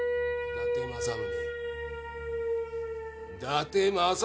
伊達政宗！